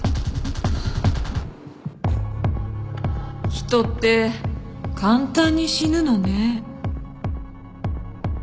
人って簡単に死ぬのね。